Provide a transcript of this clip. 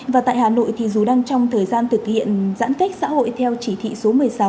và tại hà nội thì dù đang trong thời gian thực hiện giãn cách xã hội theo chỉ thị số một mươi sáu